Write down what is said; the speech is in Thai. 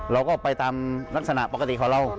เราก็ไปตามลักษณะปกติของเรา